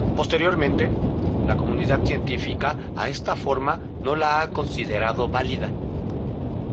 Posteriormente, la comunidad científica a esta forma no la ha considerado válida.